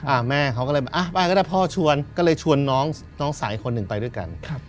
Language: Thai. อ้าวแม่เขาก็เลยอ้าวไปก็ได้พ่อชวนก็เลยชวนน้องสายคนหนึ่งไปด้วยกัน